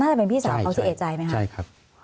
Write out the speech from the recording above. น่าจะเป็นพี่สาวเขาที่เอกใจไหมครับ